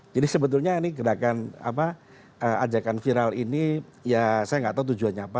jadi sebetulnya ini agakan viral ini ya saya tidak tahu tujuannya apa